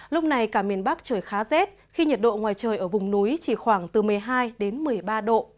lúc này cả miền bắc trời khá rét khi nhiệt độ ngoài trời ở vùng núi chỉ khoảng từ một mươi hai đến một mươi ba độ